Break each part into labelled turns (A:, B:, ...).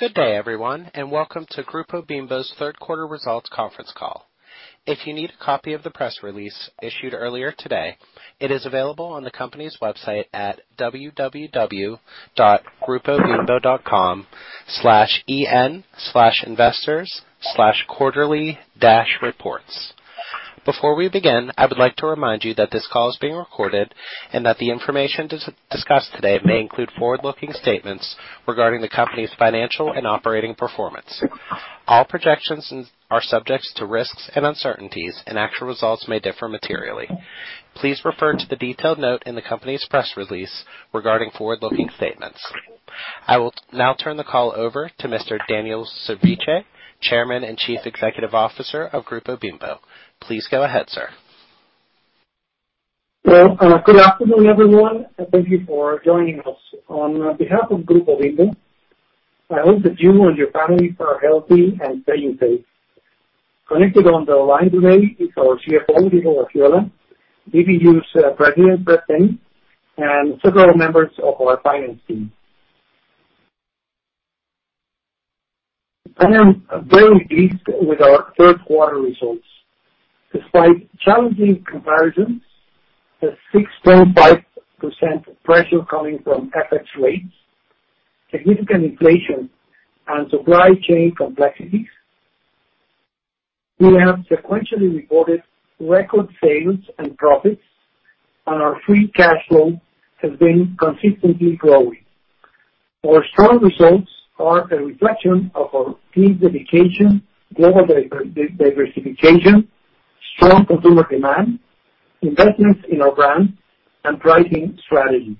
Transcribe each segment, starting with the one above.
A: Good day, everyone, and welcome to Grupo Bimbo's third quarter results conference call. If you need a copy of the press release issued earlier today, it is available on the company's website at www.grupobimbo.com/en/investors/quarterly-reports. Before we begin, I would like to remind you that this call is being recorded and that the information discussed today may include forward-looking statements regarding the company's financial and operating performance. All projections are subject to risks and uncertainties, and actual results may differ materially. Please refer to the detailed note in the company's press release regarding forward-looking statements. I will now turn the call over to Mr. Daniel Servitje, Chairman and Chief Executive Officer of Grupo Bimbo. Please go ahead, sir.
B: Well, good afternoon, everyone, and thank you for joining us. On behalf of Grupo Bimbo, I hope that you and your families are healthy and staying safe. Connected on the line today is our CFO, Diego Gaxiola Cuevas, BBU's President, Fred Penny, and several members of our finance team. I am very pleased with our third quarter results. Despite challenging comparisons, the 6.5% pressure coming from FX rates, significant inflation, and supply chain complexities, we have sequentially reported record sales and profits, and our free cash flow has been consistently growing. Our strong results are a reflection of our team's dedication, global diversification, strong consumer demand, investments in our brand, and pricing strategies.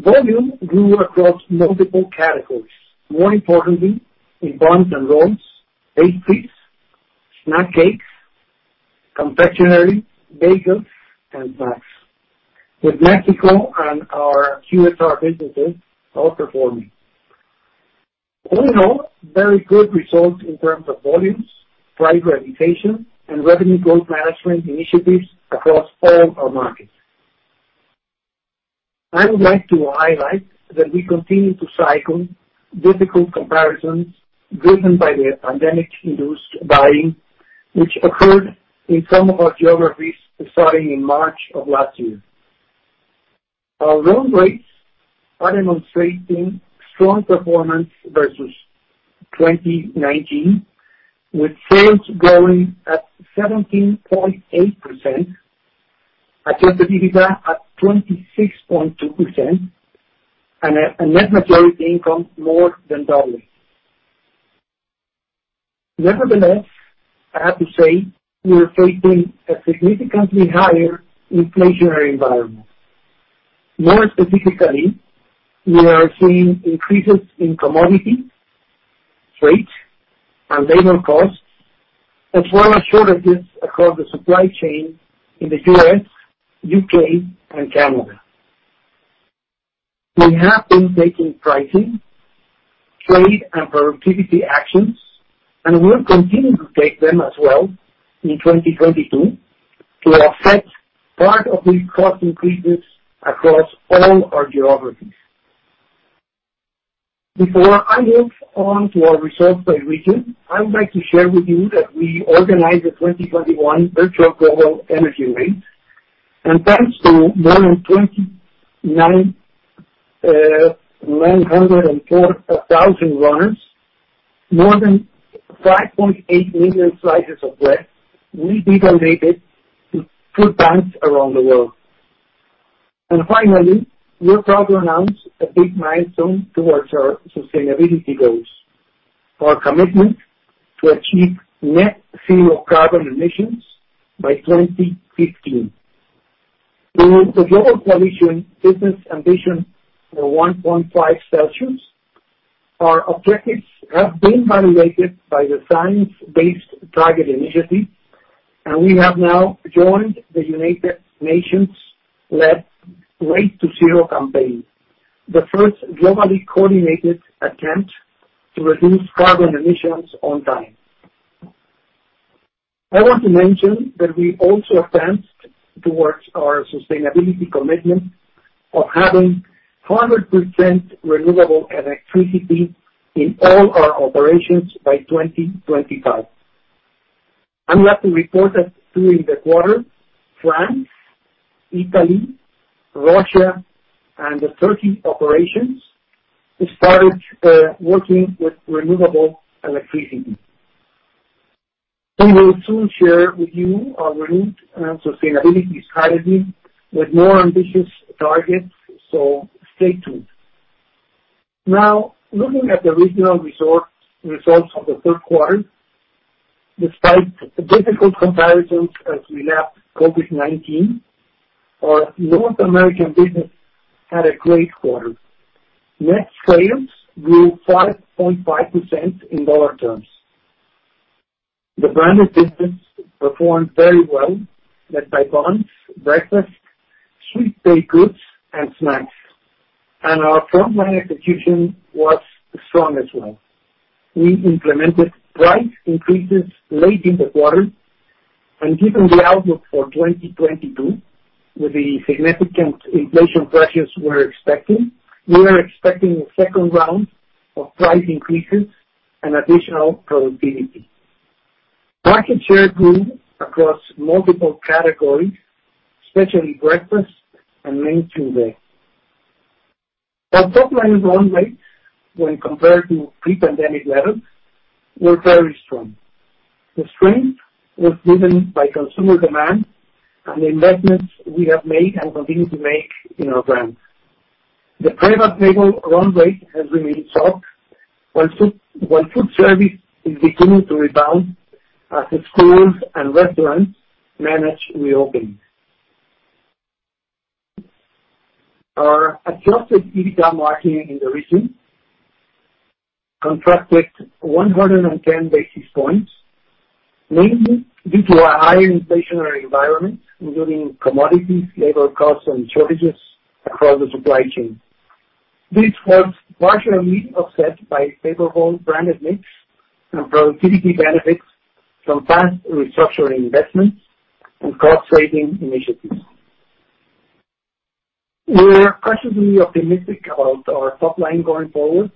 B: Volume grew across multiple categories, more importantly in buns and rolls, pastries, snack cakes, confectionery, bagels, and snacks, with Mexico and our QSR businesses outperforming. All in all, very good results in terms of volumes, price realization, and revenue growth management initiatives across all our markets. I would like to highlight that we continue to cycle difficult comparisons driven by the pandemic-induced buying, which occurred in some of our geographies starting in March of last year. Our like-for-like sales are demonstrating strong performance versus 2019, with sales growing at 17.8%, adjusted EBITDA at 26.2%, and net minority income more than doubling. Nevertheless, I have to say we are facing a significantly higher inflationary environment. More specifically, we are seeing increases in commodities, freight, and labor costs, as well as shortages across the supply chain in the U.S., U.K., and Canada. We have been taking pricing, trade, and productivity actions, and we'll continue to take them as well in 2022 to offset part of these cost increases across all our geographies. Before I move on to our results by region, I would like to share with you that we organized the 2021 virtual Global Energy Race, and thanks to more than 29,904 runners, more than 5.8 million slices of bread will be donated to food banks around the world. Finally, we're proud to announce a big milestone towards our sustainability goals, our commitment to achieve net zero carbon emissions by 2050. Through the Business Ambition for 1.5°C, our objectives have been validated by the Science Based Targets initiative, and we have now joined the United Nations-led Race to Zero campaign, the first globally coordinated attempt to reduce carbon emissions on time. I want to mention that we also advanced towards our sustainability commitment of having 100% renewable electricity in all our operations by 2025. I'm glad to report that during the quarter, France, Italy, Russia, and Turkey operations started working with renewable electricity. We will soon share with you our renewed sustainability strategy with more ambitious targets, so stay tuned. Now, looking at the regional results of the third quarter, despite difficult comparisons as we lapped COVID-19, our North American business had a great quarter. Net sales grew 5.5% in dollar terms. The branded business performed very well, led by buns, breakfast, sweet baked goods, and snacks. Our front line execution was strong as well. We implemented price increases late in the quarter. Given the outlook for 2022, with the significant inflation pressures we're expecting, we are expecting a second round of price increases and additional productivity. Market share grew across multiple categories, especially breakfast and main meal day. Our top line run rate when compared to pre-pandemic levels were very strong. The strength was driven by consumer demand and the investments we have made and continue to make in our brands. The private label run rate has remained soft, while food service is beginning to rebound as schools and restaurants manage reopenings. Our adjusted EBITDA margin in the region contracted 110 basis points, mainly due to a higher inflationary environment, including commodities, labor costs, and shortages across the supply chain. This was partially offset by favorable branded mix and productivity benefits from past restructuring investments and cost-saving initiatives. We're cautiously optimistic about our top line going forward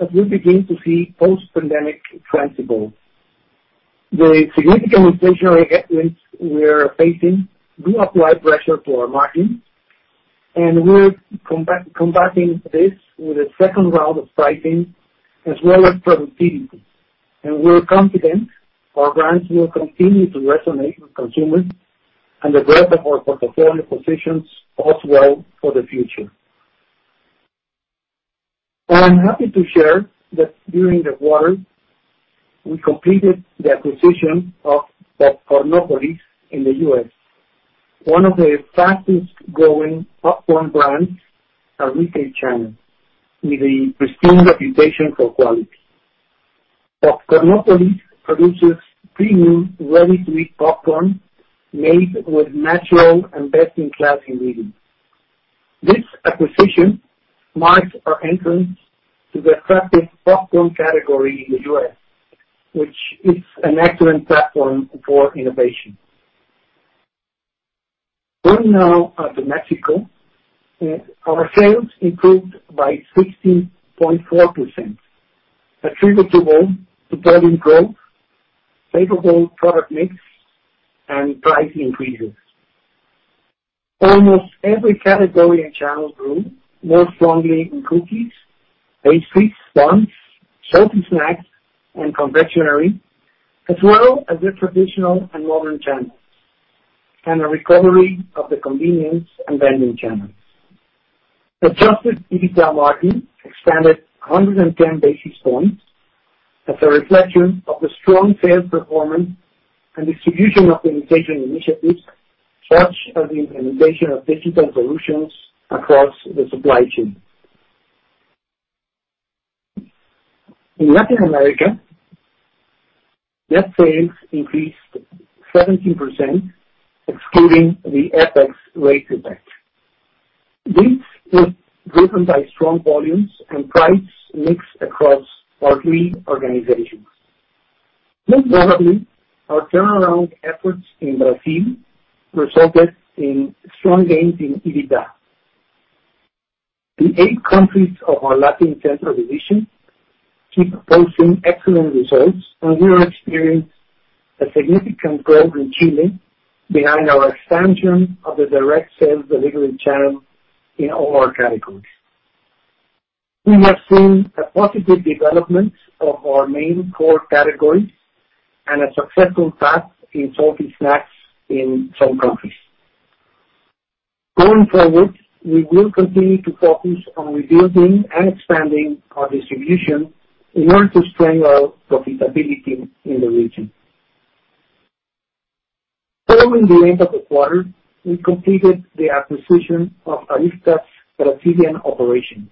B: as we begin to see post-pandemic trends evolve. The significant inflationary headwinds we are facing do apply pressure to our margin, and we're combating this with a second round of pricing as well as productivity. We're confident our brands will continue to resonate with consumers and the breadth of our portfolio positions us well for the future. I am happy to share that during the quarter, we completed the acquisition of Popcornopolis in the U.S., one of the fastest growing popcorn brands in retail channels, with a pristine reputation for quality. Popcornopolis produces premium, ready-to-eat popcorn made with natural and best-in-class ingredients. This acquisition marks our entrance to the attractive popcorn category in the U.S., which is an excellent platform for innovation. Turning now to Mexico. Our sales improved by 16.4%, attributable to volume growth, favorable product mix, and price increases. Almost every category and channel grew, most strongly in cookies, pastries, buns, salty snacks, and confectionery, as well as the traditional and modern channels, and a recovery of the convenience and vending channels. Adjusted EBITDA margin expanded 110 basis points as a reflection of the strong sales performance and distribution optimization initiatives, such as the implementation of digital solutions across the supply chain. In Latin America, net sales increased 17% excluding the FX rate impact. This is driven by strong volumes and price mix across our three organizations. Most notably, our turnaround efforts in Brazil resulted in strong gains in EBITDA. The eight countries of our Latin Centro division keep posting excellent results, and we are experiencing a significant growth in Chile behind our expansion of the direct sales delivery channel in all our categories. We have seen a positive development of our main core categories and a successful path in salty snacks in some countries. Going forward, we will continue to focus on rebuilding and expanding our distribution in order to strengthen our profitability in the region. Following the end of the quarter, we completed the acquisition of Aryzta's Brazilian operation.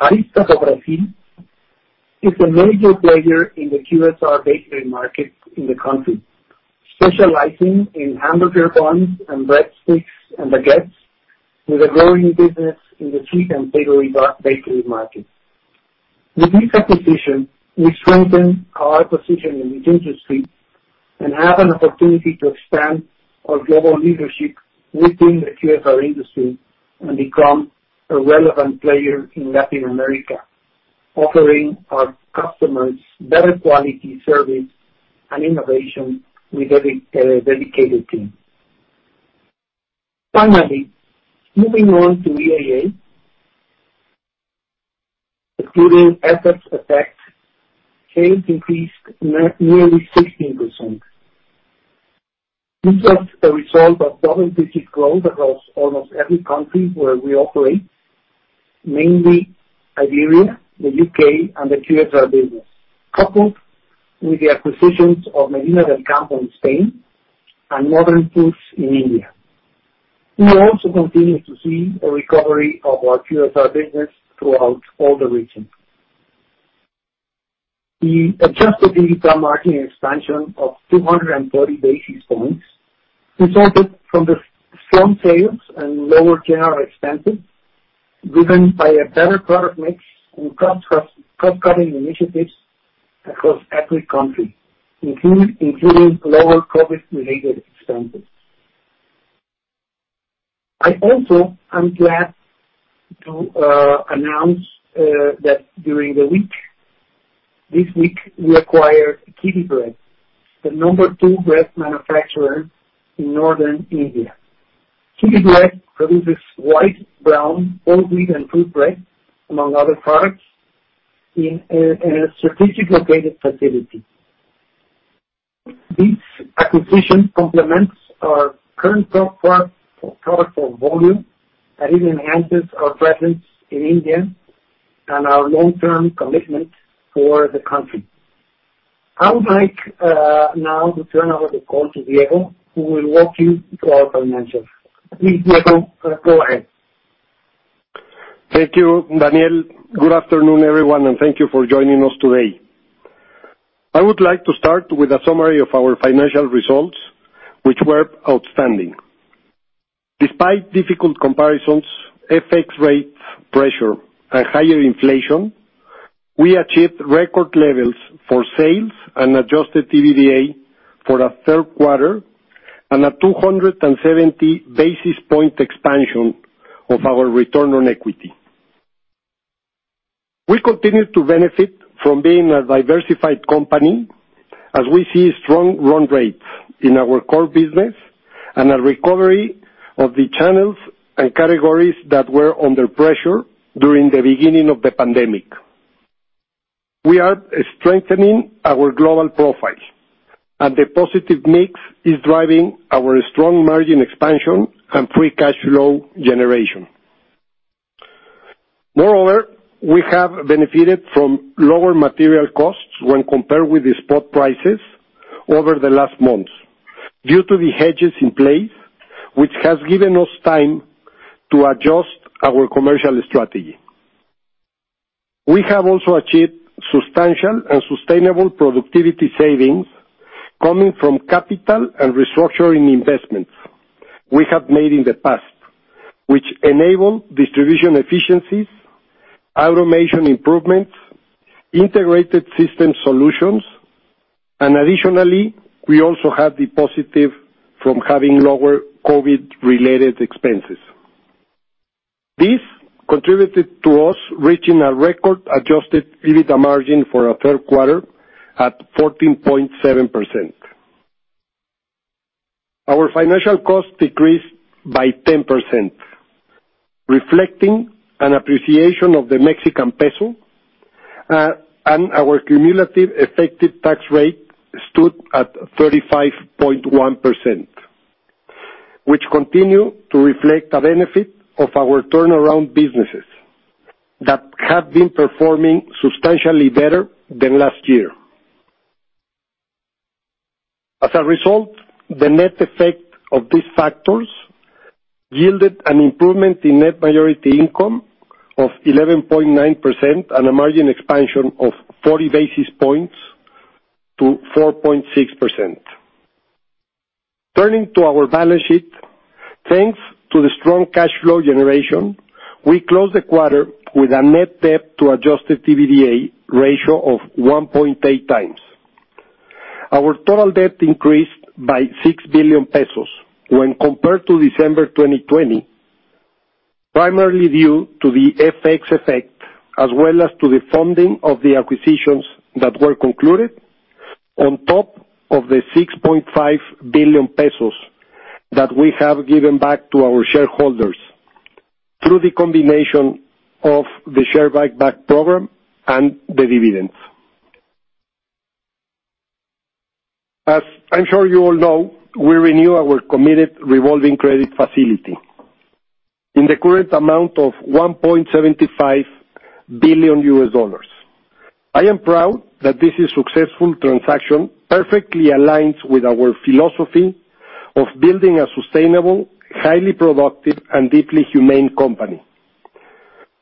B: Aryzta do Brasil is a major player in the QSR bakery market in the country, specializing in hamburger buns and breadsticks and baguettes, with a growing business in the sweet and bakery market. With this acquisition, we strengthen our position in this industry and have an opportunity to expand our global leadership within the QSR industry and become a relevant player in Latin America, offering our customers better quality service and innovation with a dedicated team. Finally, moving on to EAA. Excluding FX effects, sales increased nearly 16%. This was a result of double-digit growth across almost every country where we operate, mainly Iberia, the U.K., and the QSR business, coupled with the acquisitions of Medina del Campo in Spain and Modern Foods in India. We also continue to see a recovery of our QSR business throughout all the region. The adjusted EBITDA margin expansion of 230 basis points resulted from the strong sales and lower general expenses, driven by a better product mix and cost cutting initiatives across every country, including lower COVID-related expenses. I also am glad to announce that during the week, this week, we acquired Kitty Bread, the number 2 bread manufacturer in Northern India. Kitty Bread produces white, brown, whole wheat, and fruit bread, among other products, in a strategically located facility. This acquisition complements our current product portfolio for volume, and it enhances our presence in India and our long-term commitment for the country. I would like now to turn over the call to Diego, who will walk you through our financials. Please, Diego, go ahead.
C: Thank you, Daniel. Good afternoon, everyone, and thank you for joining us today. I would like to start with a summary of our financial results, which were outstanding. Despite difficult comparisons, FX rates pressure, and higher inflation, we achieved record levels for sales and adjusted EBITDA for a third quarter and a 270 basis point expansion of our return on equity. We continue to benefit from being a diversified company as we see strong run rates in our core business and a recovery of the channels and categories that were under pressure during the beginning of the pandemic. We are strengthening our global profile, and the positive mix is driving our strong margin expansion and free cash flow generation. Moreover, we have benefited from lower material costs when compared with the spot prices over the last months due to the hedges in place, which has given us time to adjust our commercial strategy. We have also achieved substantial and sustainable productivity savings coming from capital and restructuring investments we have made in the past, which enable distribution efficiencies, automation improvements, integrated system solutions, and additionally, we also have the positive from having lower COVID-related expenses. This contributed to us reaching a record adjusted EBITDA margin for a third quarter at 14.7%. Our financial cost decreased by 10%, reflecting an appreciation of the Mexican peso, and our cumulative effective tax rate stood at 35.1%, which continue to reflect a benefit of our turnaround businesses that have been performing substantially better than last year. As a result, the net effect of these factors yielded an improvement in net majority income of 11.9% and a margin expansion of 30 basis points to 4.6%. Turning to our balance sheet, thanks to the strong cash flow generation, we closed the quarter with a net debt to adjusted EBITDA ratio of 1.8 times. Our total debt increased by 6 billion pesos when compared to December 2020, primarily due to the FX effect as well as to the funding of the acquisitions that were concluded on top of the 6.5 billion pesos that we have given back to our shareholders through the combination of the share buyback program and the dividends. As I'm sure you all know, we renew our committed revolving credit facility, in the current amount of $1.75 billion. I am proud that this is successful transaction perfectly aligns with our philosophy of building a sustainable, highly productive and deeply humane company.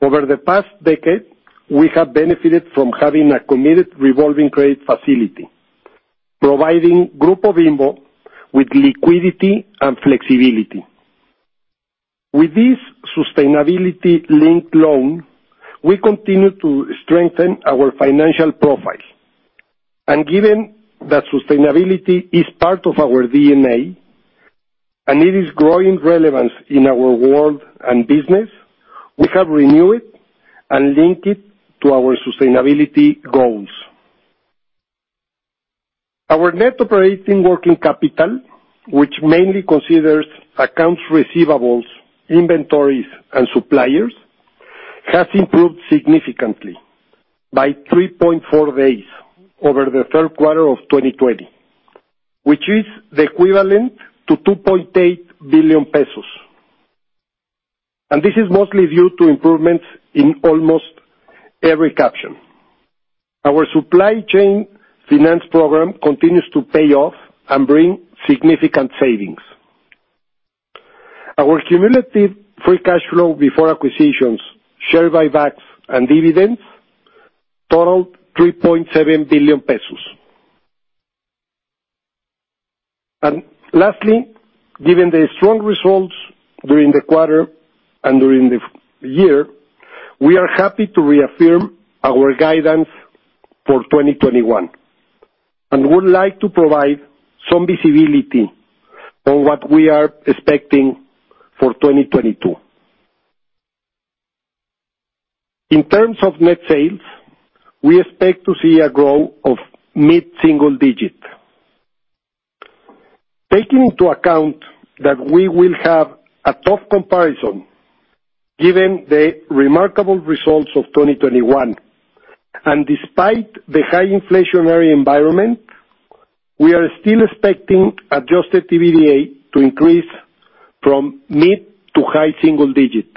C: Over the past decade, we have benefited from having a committed revolving credit facility, providing Grupo Bimbo with liquidity and flexibility. With this sustainability-linked loan, we continue to strengthen our financial profile. Given that sustainability is part of our DNA, and it is growing relevance in our world and business, we have renewed it and linked it to our sustainability goals. Our net operating working capital, which mainly considers accounts receivables, inventories, and suppliers, has improved significantly by 3.4 days over the third quarter of 2020, which is the equivalent to 2.8 billion pesos. This is mostly due to improvements in almost every caption. Our supply chain finance program continues to pay off and bring significant savings. Our cumulative free cash flow before acquisitions, share buybacks, and dividends totaled 3.7 billion pesos. Lastly, given the strong results during the quarter and during the fiscal year, we are happy to reaffirm our guidance for 2021, and would like to provide some visibility on what we are expecting for 2022. In terms of net sales, we expect to see a growth of mid-single-digit. Taking into account that we will have a tough comparison given the remarkable results of 2021, and despite the high inflationary environment, we are still expecting adjusted EBITDA to increase from mid- to high-single-digit,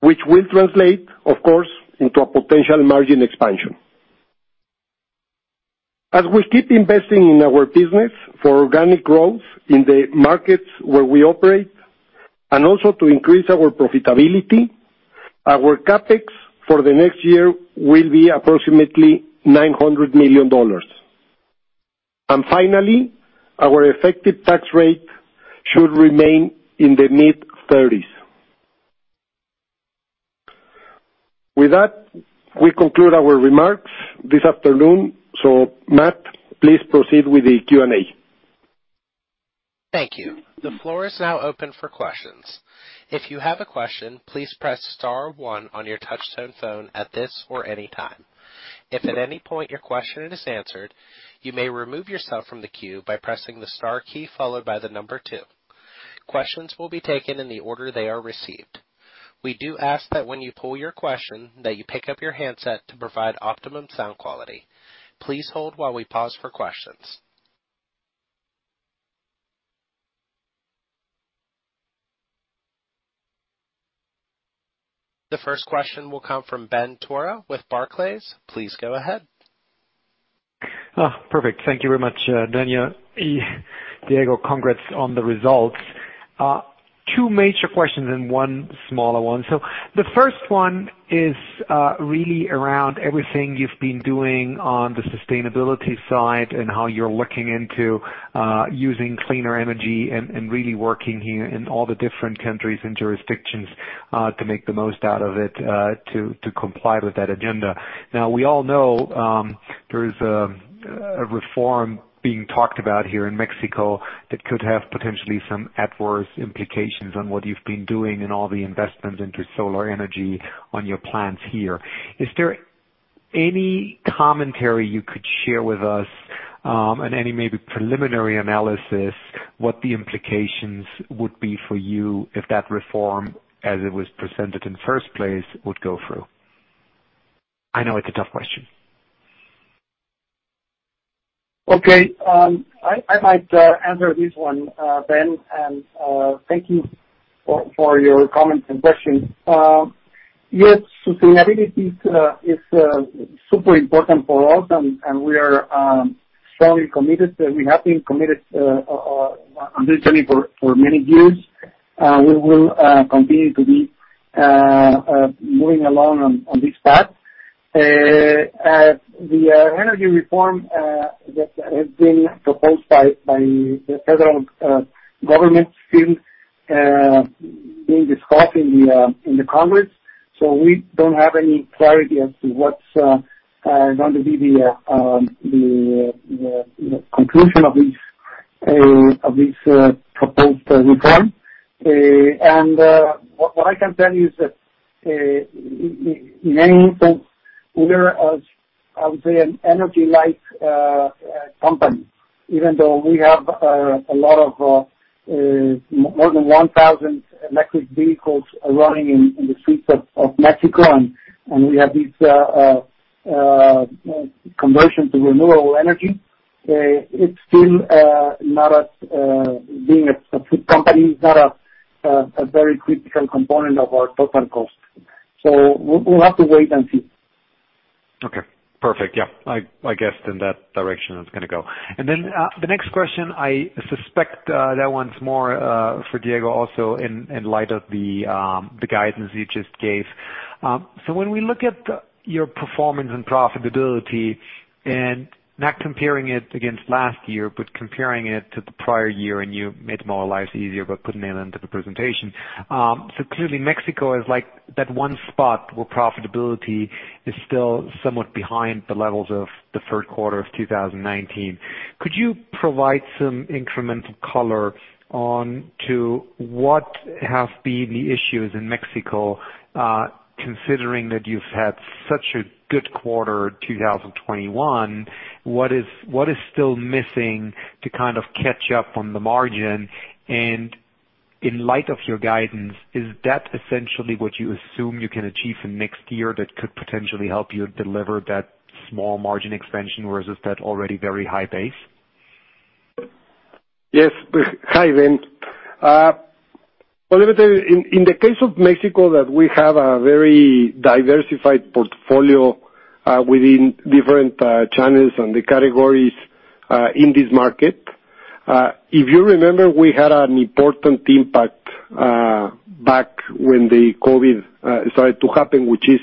C: which will translate, of course, into a potential margin expansion. As we keep investing in our business for organic growth in the markets where we operate and also to increase our profitability, our CapEx for the next year will be approximately $900 million. Finally, our effective tax rate should remain in the mid-30s. With that, we conclude our remarks this afternoon. Matt, please proceed with the Q&A.
A: Thank you. The floor is now open for questions. If you have a question, please press star one on your touchtone phone at this or any time. If at any point your question is answered, you may remove yourself from the queue by pressing the star key followed by the number two. Questions will be taken in the order they are received. We do ask that when you pull your question, that you pick up your handset to provide optimum sound quality. Please hold while we pause for questions. The first question will come from Ben Theurer with Barclays. Please go ahead.
D: Perfect. Thank you very much, Daniel. Diego, congrats on the results. Two major questions and one smaller one. The first one is really around everything you've been doing on the sustainability side and how you're looking into using cleaner energy and really working here in all the different countries and jurisdictions to make the most out of it to comply with that agenda. Now, we all know, there is a reform being talked about here in Mexico that could have potentially some adverse implications on what you've been doing and all the investments into solar energy on your plants here. Is there any commentary you could share with us on any maybe preliminary analysis, what the implications would be for you if that reform, as it was presented in first place, would go through? I know it's a tough question.
B: Okay, I might answer this one, Ben, and thank you for your comments and questions. Yes, sustainability is super important for us and we are strongly committed. We have been committed additionally for many years. We will continue to be moving along on this path. The energy reform that has been proposed by the federal government still being discussed in the Congress, we don't have any clarity as to what's going to be the conclusion of this proposed reform. What I can tell you is that in many senses we are, as I would say, an energy-like company. Even though we have more than 1,000 electric vehicles running in the streets of Mexico and we have these conversions to renewable energy, it's still not a very critical component of our total cost, being a food company. We'll have to wait and see.
D: Okay. Perfect. Yeah. I guessed in that direction it's gonna go. The next question, I suspect, that one's more for Diego also in light of the guidance you just gave. When we look at your performance and profitability, and not comparing it against last year, but comparing it to the prior year, and you made more lives easier by putting it into the presentation. Clearly, Mexico is like that one spot where profitability is still somewhat behind the levels of the third quarter of 2019. Could you provide some incremental color on what have been the issues in Mexico, considering that you've had such a good quarter 2021? What is still missing to kind of catch up on the margin? In light of your guidance, is that essentially what you assume you can achieve in next year that could potentially help you deliver that small margin expansion, or is this that already very high base?
C: Yes. Hi, Ben. Well, let me tell you, in the case of Mexico that we have a very diversified portfolio within different channels and the categories in this market. If you remember, we had an important impact back when the COVID started to happen, which is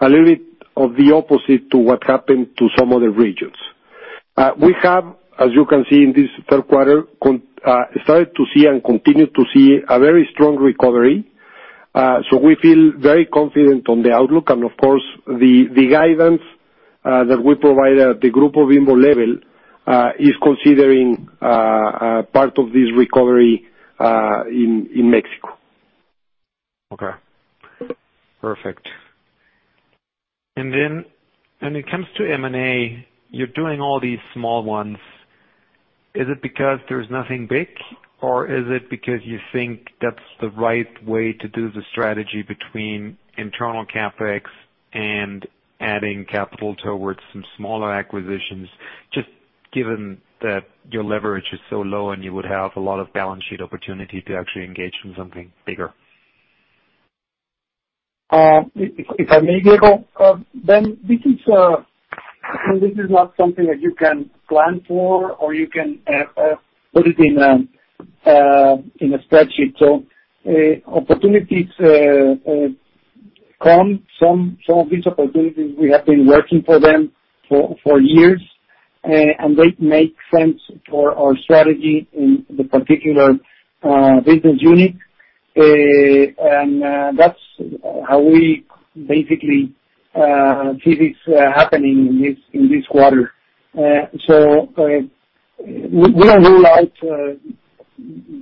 C: a little bit of the opposite to what happened to some other regions. We have, as you can see in this third quarter, started to see and continue to see a very strong recovery. We feel very confident on the outlook and of course the guidance that we provide at the Grupo Bimbo level is considering part of this recovery in Mexico.
D: Okay. Perfect. When it comes to M&A, you're doing all these small ones. Is it because there's nothing big or is it because you think that's the right way to do the strategy between internal CapEx and adding capital towards some smaller acquisitions, just given that your leverage is so low and you would have a lot of balance sheet opportunity to actually engage in something bigger?
B: If I may, Diego, Ben, this is not something that you can plan for or you can put it in a spreadsheet. Opportunities come. Some of these opportunities we have been working for them for years. They make sense for our strategy in the particular business unit. That's how we basically see this happening in this quarter. We don't rule out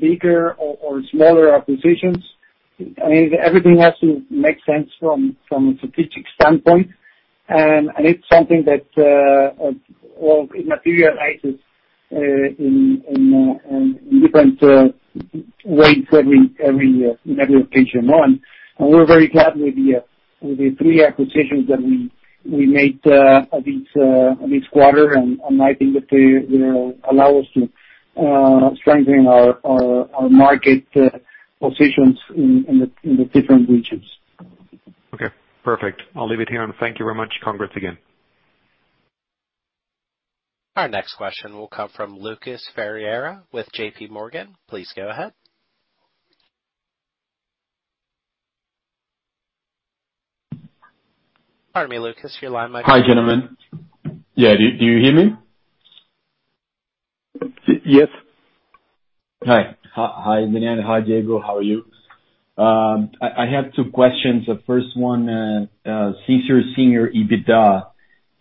B: bigger or smaller acquisitions. I mean, everything has to make sense from a strategic standpoint. It's something that, well, it materializes in different ways every year in every occasion. One, we're very glad with the three acquisitions that we made a bit quieter. I think that they will allow us to strengthen our market positions in the different regions.
D: Okay, perfect. I'll leave it here, and thank you very much. Congrats again.
A: Our next question will come from Lucas Ferreira with JPMorgan. Please go ahead. Pardon me, Lucas, your line might-
E: Hi, gentlemen. Yeah, do you hear me?
B: Yes.
E: Hi. Hi, Daniel. Hi, Diego. How are you? I had two questions. The first one, assuming EBITDA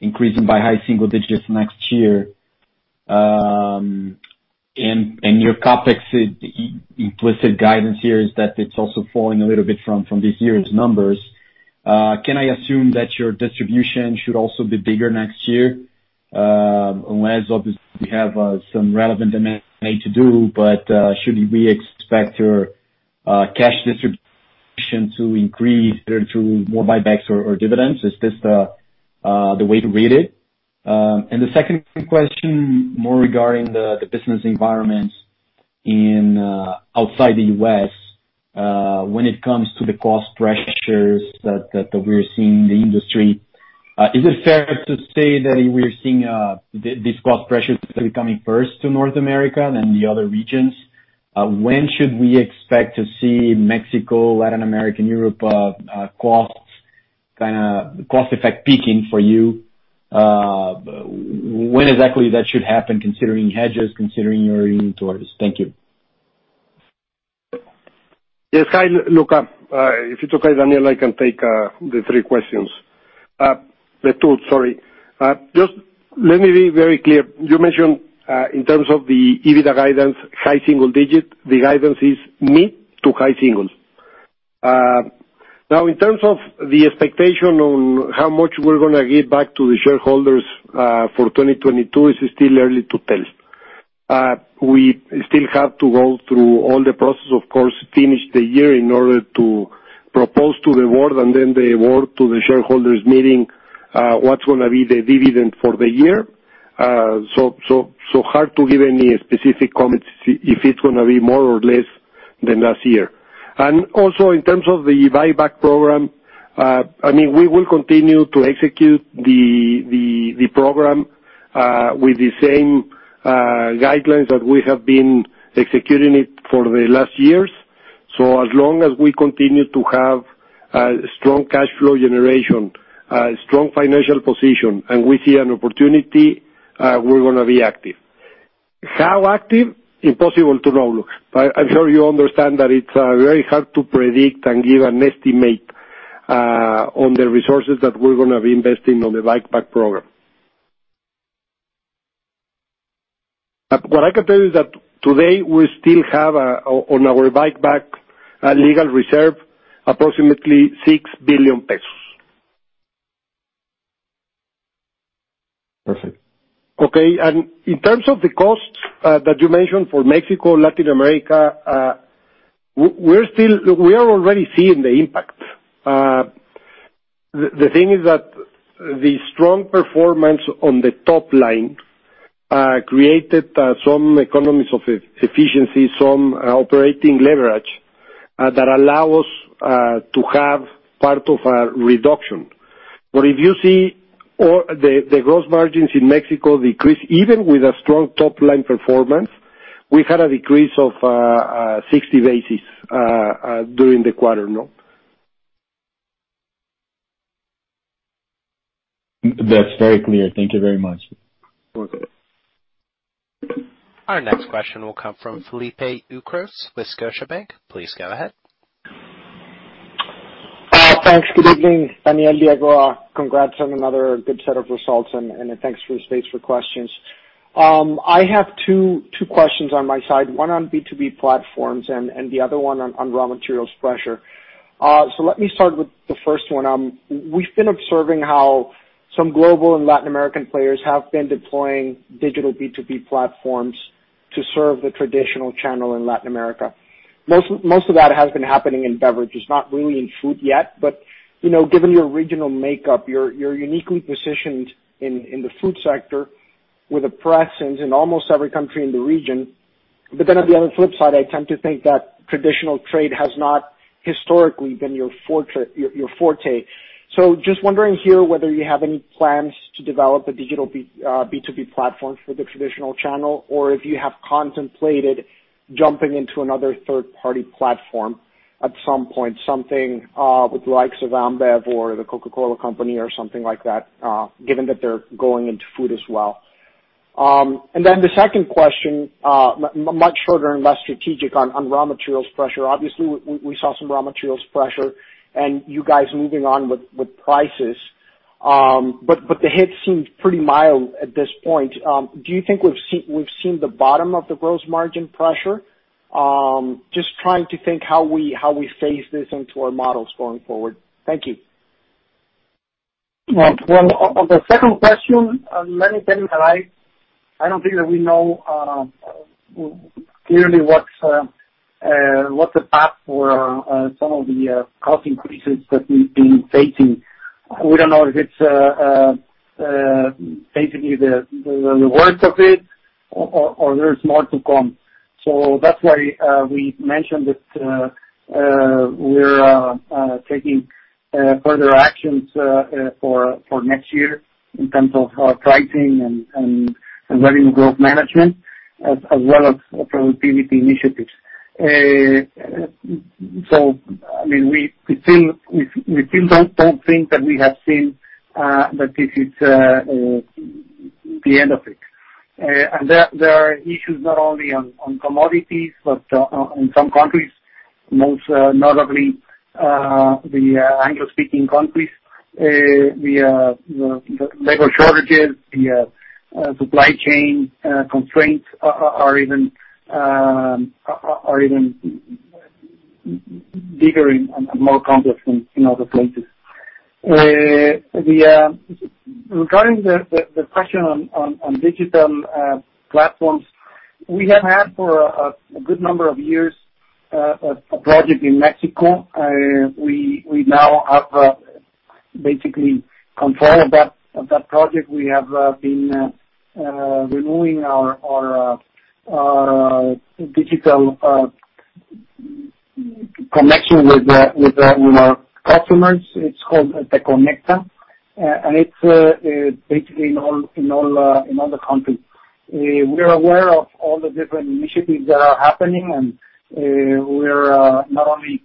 E: increasing by high single digits next year. And your CapEx implicit guidance here is that it's also falling a little bit from this year's numbers. Can I assume that your distribution should also be bigger next year? Unless obviously we have some relevant M&A to do, but should we expect your cash distribution to increase due to more buybacks or dividends? Is this the way to read it? The second question more regarding the business environment outside the U.S., when it comes to the cost pressures that we're seeing in the industry, is it fair to say that we're seeing these cost pressures coming first to North America than the other regions? When should we expect to see Mexico, Latin America and Europe costs kind of cost effects peaking for you? When exactly that should happen considering hedges, considering your inventories? Thank you.
C: Yes. Hi, Lucas. If it's okay, Daniel, I can take the two questions, sorry. Just let me be very clear. You mentioned, in terms of the EBITDA guidance, high single digit. The guidance is mid to high singles. Now, in terms of the expectation on how much we're gonna give back to the shareholders for 2022, it's still early to tell. We still have to go through all the process, of course, finish the year in order to propose to the board, and then the board to the shareholders meeting what's gonna be the dividend for the year. Hard to give any specific comments if it's gonna be more or less than last year. Also in terms of the buyback program, I mean we will continue to execute the program with the same guidelines that we have been executing it for the last years. As long as we continue to have strong cash flow generation, strong financial position, and we see an opportunity, we're gonna be active. How active? Impossible to know, Luca. I'm sure you understand that it's very hard to predict and give an estimate on the resources that we're gonna be investing on the buyback program. What I can tell you is that today we still have on our buyback, a legal reserve, approximately MXN 6 billion.
E: Perfect.
C: Okay. In terms of the costs that you mentioned for Mexico, Latin America, we are already seeing the impact. The thing is that the strong performance on the top line created some economies of efficiency, some operating leverage that allow us to have part of a reduction. If you see the gross margins in Mexico decrease even with a strong top line performance. We had a decrease of 60 basis during the quarter now.
E: That's very clear. Thank you very much.
C: Okay.
A: Our next question will come from Felipe Ucros with Scotiabank. Please go ahead.
F: Thanks. Good evening, Daniel, Diego. Congrats on another good set of results and thanks for the space for questions. I have two questions on my side, one on B2B platforms and the other one on raw materials pressure. Let me start with the first one. We've been observing how some global and Latin American players have been deploying digital B2B platforms to serve the traditional channel in Latin America. Most of that has been happening in beverages, not really in food yet, but you know, given your regional makeup, you're uniquely positioned in the food sector with a presence in almost every country in the region. On the other flip side, I tend to think that traditional trade has not historically been your forte. Just wondering here, whether you have any plans to develop a digital B2B platform for the traditional channel, or if you have contemplated jumping into another third-party platform at some point, something with the likes of Ambev or The Coca-Cola Company or something like that, given that they're going into food as well. The second question, much shorter and less strategic on raw materials pressure. Obviously, we saw some raw materials pressure and you guys moving on with prices. But the hit seemed pretty mild at this point. Do you think we've seen the bottom of the gross margin pressure? Just trying to think how we phase this into our models going forward. Thank you.
B: Well, on the second question, let me tell you that I don't think that we know clearly what's the path for some of the cost increases that we've been facing. We don't know if it's basically the worst of it or there's more to come. That's why we mentioned that we're taking further actions for next year in terms of our pricing and volume growth management as well as productivity initiatives. I mean, we still don't think that we have seen that this is the end of it. There are issues not only on commodities, but on some countries, most notably, the Anglo-speaking countries, the labor shortages, the supply chain constraints are even bigger and more complex than in other places. Regarding the question on digital platforms, we have had for a good number of years a project in Mexico. We now have basically control of that project. We have been removing our digital connection with our customers. It's called Te Conecta, and it's basically in all the countries. We are aware of all the different initiatives that are happening and we're not only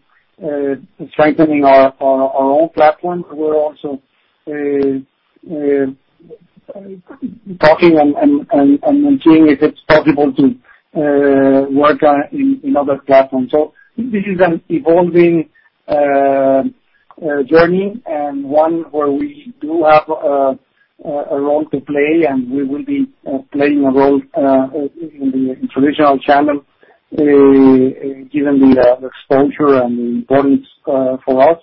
B: strengthening our own platforms, we're also talking and seeing if it's possible to work on in other platforms. This is an evolving journey and one where we do have a role to play, and we will be playing a role in the traditional channel given the exposure and the importance for us.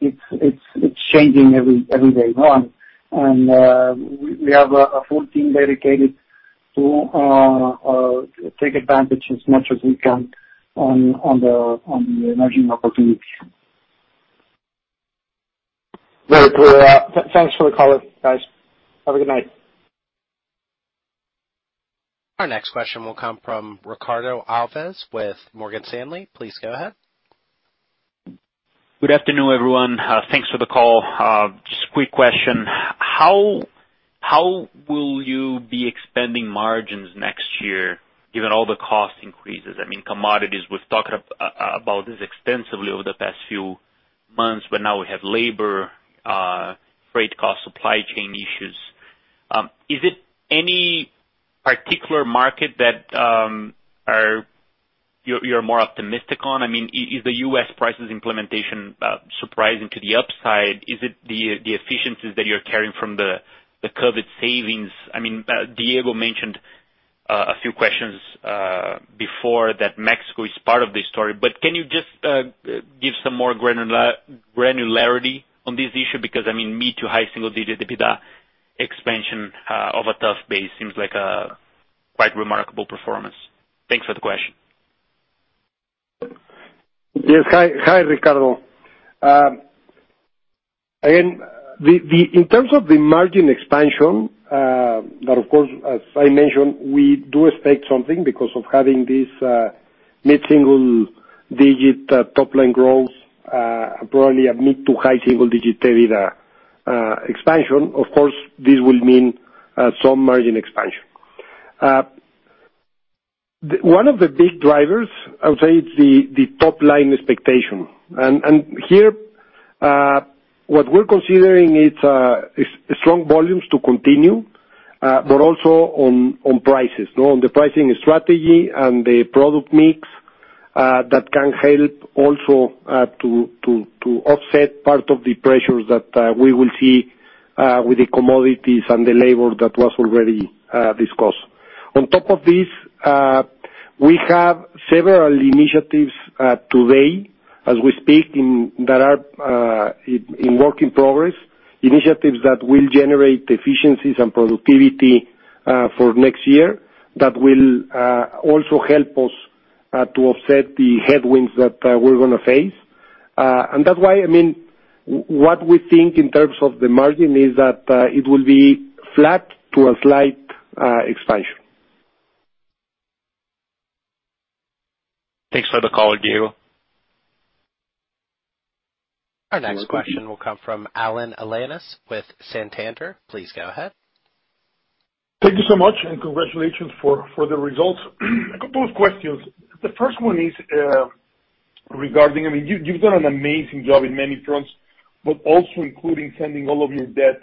B: It's changing every day now. We have a full team dedicated to take advantage as much as we can on the emerging opportunities.
F: Very clear. Thanks for the call guys. Have a good night.
A: Our next question will come from Ricardo Alves with Morgan Stanley. Please go ahead.
G: Good afternoon, everyone. Thanks for the call. Just a quick question. How will you be expanding margins next year, given all the cost increases? I mean, commodities, we've talked about this extensively over the past few months, but now we have labor, freight cost, supply chain issues. Is it any particular market that you're more optimistic on? I mean, is the U.S. prices implementation surprising to the upside? Is it the efficiencies that you're carrying from the COVID savings? I mean, Diego mentioned a few questions before that Mexico is part of this story, but can you just give some more granularity on this issue? Because I mean, mid- to high-single-digit EBITDA expansion over tough base seems like a quite remarkable performance. Thanks for the question.
C: Yes. Hi. Hi, Ricardo. In terms of the margin expansion, that of course as I mentioned, we do expect something because of having this, Mid-single-digit top-line growth, probably a mid- to high-single-digit EBITDA expansion. Of course, this will mean some margin expansion. One of the big drivers, I would say, is the top-line expectation. Here, what we're considering is strong volumes to continue, but also on prices. You know, on the pricing strategy and the product mix, that can help also to offset part of the pressures that we will see with the commodities and the labor that was already discussed. On top of this, we have several initiatives today as we speak that are in progress, initiatives that will generate efficiencies and productivity for next year that will also help us to offset the headwinds that we're gonna face. That's why, I mean, what we think in terms of the margin is that it will be flat to a slight expansion.
G: Thanks for the call, Diego.
C: You're welcome.
A: Our next question will come from Alan Alanis with Santander. Please go ahead.
H: Thank you so much, and congratulations for the results. A couple of questions. The first one is, regarding, I mean, you've done an amazing job in many fronts, but also including tending all of your debt,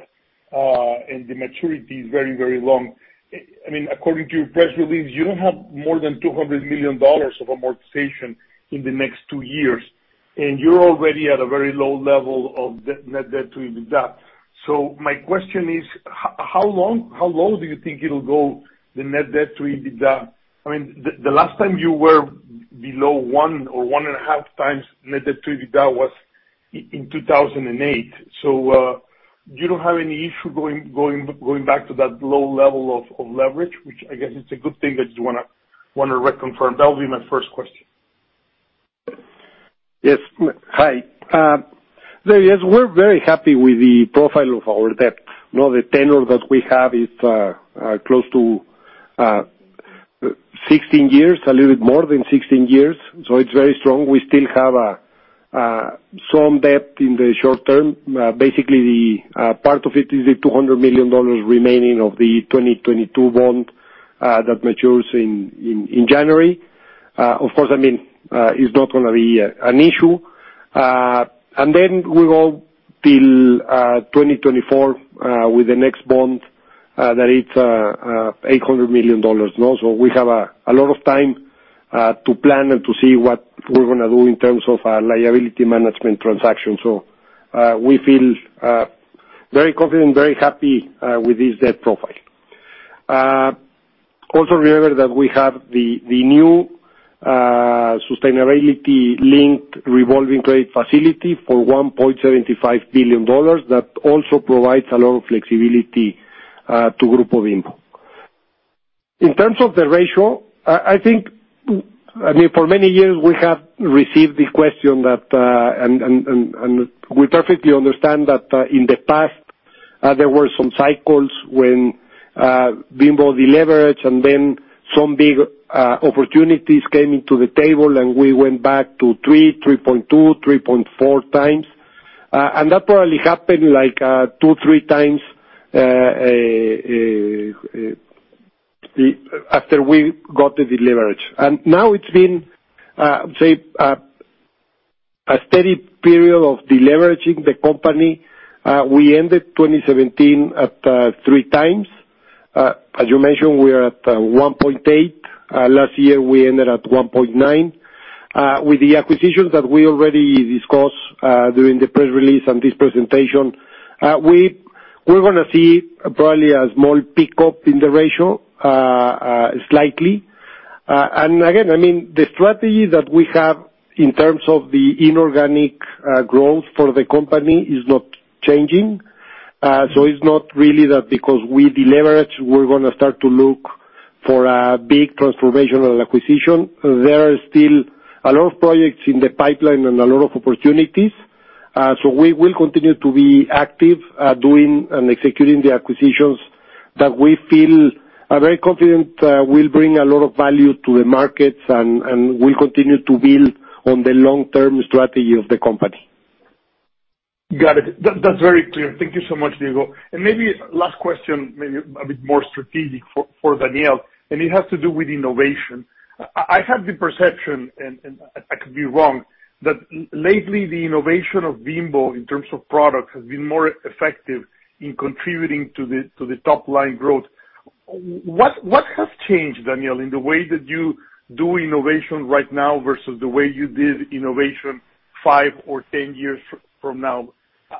H: and the maturity is very, very long. I mean, according to your press release, you don't have more than $200 million of amortization in the next two years, and you're already at a very low level of net debt to EBITDA. My question is, how long, how low do you think it'll go, the net debt to EBITDA? I mean, the last time you were below 1 or 1.5 times net debt to EBITDA was in 2008. Do you have any issue going back to that low level of leverage, which I guess is a good thing? I just wanna reconfirm. That would be my first question.
C: Yes. Hi. Yes, we're very happy with the profile of our debt. You know, the tenure that we have is close to 16 years, a little bit more than 16 years, so it's very strong. We still have some debt in the short term. Basically the part of it is the $200 million remaining of the 2022 bond that matures in January. Of course, I mean, it's not gonna be an issue. We go till 2024 with the next bond that it's $800 million, you know? We have a lot of time to plan and to see what we're gonna do in terms of our liability management transaction. We feel very confident and very happy with this debt profile. Also remember that we have the new sustainability-linked revolving credit facility for $1.75 billion that also provides a lot of flexibility to Grupo Bimbo. In terms of the ratio, I think, I mean, for many years we have received the question, and we perfectly understand that, in the past there were some cycles when Bimbo deleveraged and then some big opportunities came on the table and we went back to 3.2, 3.4 times. That probably happened like 2-3 times after we got the leverage. Now it's been say a steady period of deleveraging the company. We ended 2017 at three times. As you mentioned, we are at 1.8. Last year, we ended at 1.9. With the acquisitions that we already discussed during the press release and this presentation, we're gonna see probably a small pickup in the ratio, slightly. Again, I mean, the strategy that we have in terms of the inorganic growth for the company is not changing. It's not really that because we deleverage, we're gonna start to look for a big transformational acquisition. There are still a lot of projects in the pipeline and a lot of opportunities, so we will continue to be active, doing and executing the acquisitions that we feel very confident will bring a lot of value to the markets and will continue to build on the long-term strategy of the company.
H: Got it. That's very clear. Thank you so much, Diego. Maybe last question, maybe a bit more strategic for Daniel, and it has to do with innovation. I have the perception, and I could be wrong, but lately the innovation of Bimbo in terms of product has been more effective in contributing to the top line growth. What has changed, Daniel, in the way that you do innovation right now versus the way you did innovation five or 10 years from now?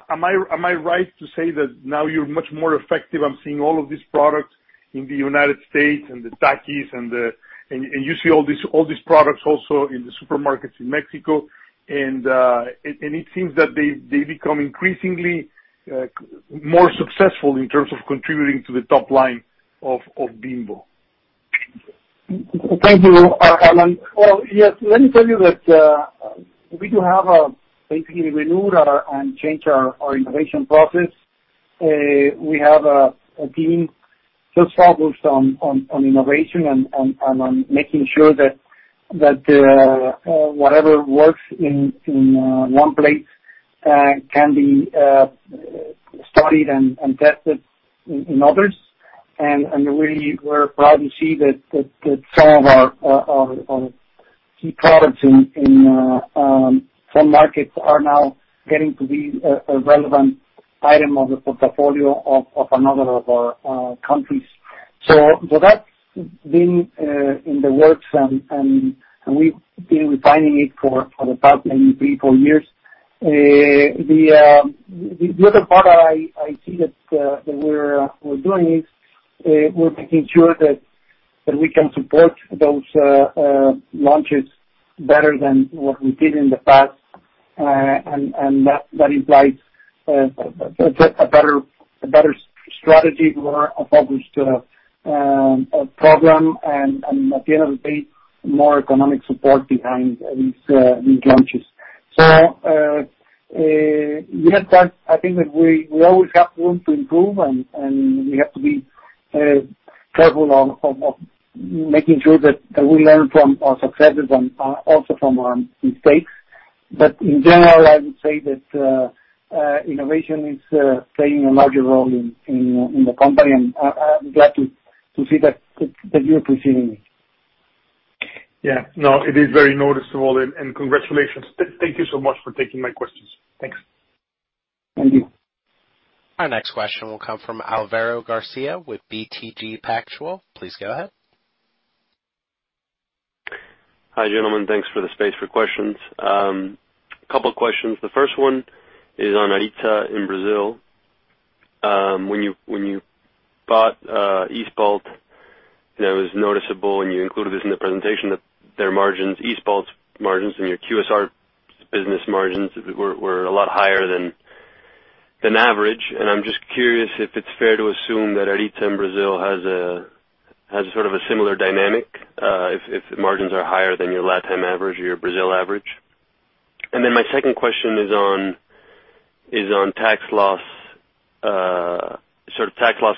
H: Am I right to say that now you're much more effective? I'm seeing all of these products in the United States and the Takis. You see all these products also in the supermarkets in Mexico. It seems that they become increasingly more successful in terms of contributing to the top line of Bimbo.
B: Thank you, Alan. Well, yes, let me tell you that we do have basically renewed our and changed our innovation process. We have a team just focused on innovation and on making sure that whatever works in one place can be studied and tested in others. We're proud to see that some of our key products in some markets are now getting to be a relevant item of the portfolio of another of our countries. That's been in the works and we've been refining it for the past maybe three, four years. The other part I see that we're doing is we're making sure that we can support those launches better than what we did in the past. That implies a better strategy more focused on the program and at the end of the day, more economic support behind these launches. We have that. I think that we always have room to improve and we have to be careful of making sure that we learn from our successes and also from our mistakes. In general, I would say that innovation is playing a larger role in the company. I'm glad to see that you're perceiving it.
H: Yeah. No, it is very noticeable. Congratulations. Thank you so much for taking my questions. Thanks.
B: Thank you.
A: Our next question will come from Alvaro Garcia with BTG Pactual. Please go ahead.
I: Hi, gentlemen. Thanks for the space for questions. Couple questions. The first one is on Aryzta in Brazil. When you bought East Balt, you know, it was noticeable, and you included this in the presentation, that their margins, East Balt's margins and your QSR business margins were a lot higher than average. I'm just curious if it's fair to assume that Aryzta in Brazil has a similar dynamic, if the margins are higher than your LatAm average or your Brazil average. My second question is on tax loss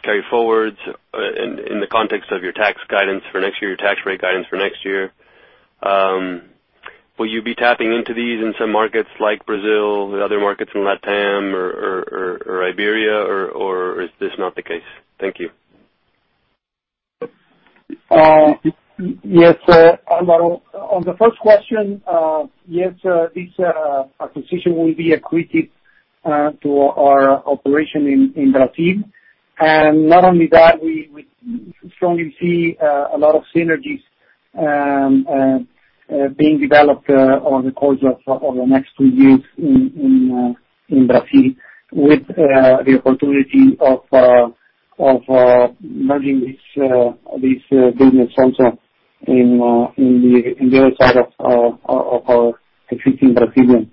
I: carry forwards in the context of your tax guidance for next year, your tax rate guidance for next year. Will you be tapping into these in some markets like Brazil or other markets in LatAm or Iberia, or is this not the case? Thank you.
B: Yes, Alvaro. On the first question, yes, this acquisition will be accretive to our operation in Brazil. Not only that, we strongly see a lot of synergies being developed over the course of the next two years in Brazil with the opportunity of merging this business also in the QSR side of our existing Brazilian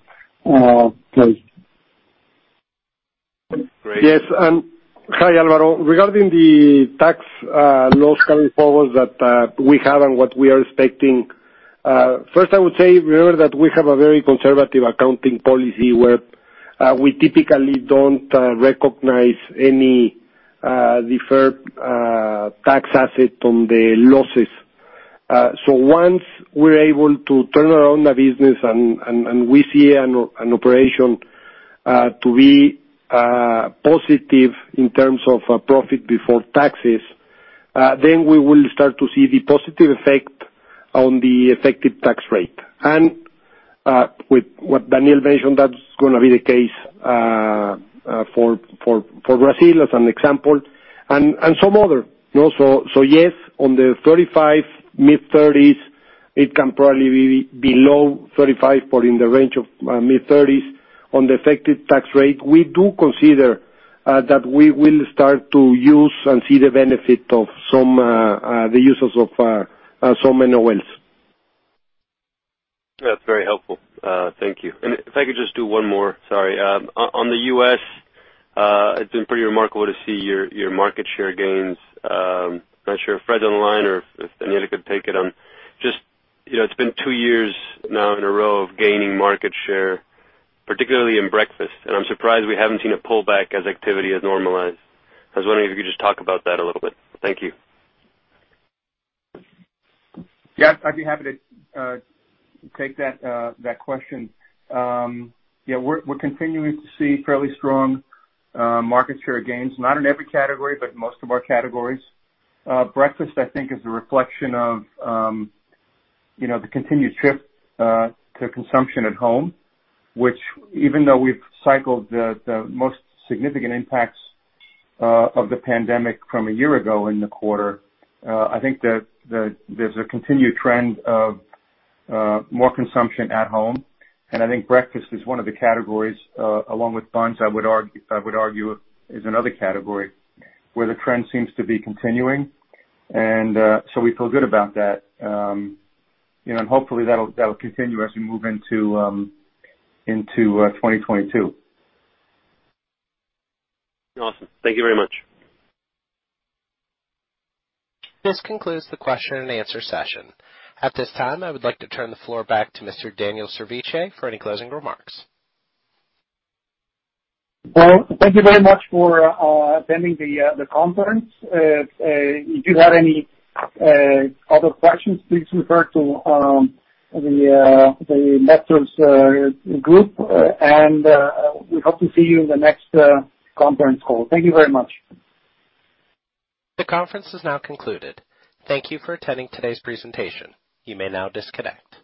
B: base.
I: Great.
C: Yes. Hi, Álvaro. Regarding the tax loss carry forwards that we have and what we are expecting, first, I would say remember that we have a very conservative accounting policy where we typically don't recognize any deferred tax asset on the losses. So once we're able to turn around the business and we see an operation to be positive in terms of profit before taxes, then we will start to see the positive effect on the effective tax rate. With what Daniel mentioned, that's gonna be the case for Brazil as an example and some other. You know, yes, on the 35%, mid-30s, it can probably be below 35%, but in the range of mid-30s. On the effective tax rate, we do consider that we will start to use and see the benefit of some NOLs.
I: That's very helpful. Thank you. If I could just do one more, sorry. On the U.S., it's been pretty remarkable to see your market share gains. Not sure if Fred's online or if Daniel could take it on. Just, you know, it's been two years now in a row of gaining market share, particularly in breakfast, and I'm surprised we haven't seen a pullback as activity has normalized. I was wondering if you could just talk about that a little bit. Thank you.
J: Yes, I'd be happy to take that question. Yeah, we're continuing to see fairly strong market share gains, not in every category, but most of our categories. Breakfast, I think is a reflection of, you know, the continued shift to consumption at home, which even though we've cycled the most significant impacts of the pandemic from a year ago in the quarter, I think that there's a continued trend of more consumption at home. I think breakfast is one of the categories, along with buns, I would argue is another category where the trend seems to be continuing. We feel good about that. You know, hopefully that'll continue as we move into 2022.
I: Awesome. Thank you very much.
A: This concludes the question-and-answer session. At this time, I would like to turn the floor back to Mr. Daniel Servitje for any closing remarks.
B: Well, thank you very much for attending the conference. If you have any other questions, please refer to the investors group. We hope to see you in the next conference call. Thank you very much.
A: The conference is now concluded. Thank you for attending today's presentation. You may now disconnect.